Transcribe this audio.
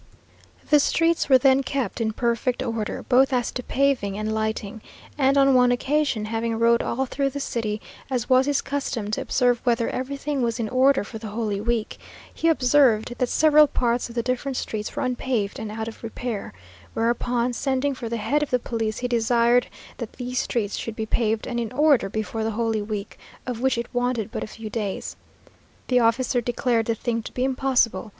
The streets were then kept in perfect order, both as to paving and lighting; and on one occasion, having rode all through the city, as was his custom, to observe whether everything was in order for the holy week, he observed that several parts of the different streets were unpaved, and out of repair; whereupon, sending for the head of the police, he desired that these streets should be paved and in order before the holy week, of which it wanted but a few days. The officer declared the thing to be impossible.